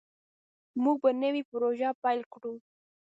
موږ به نوې پروژه پیل کړو.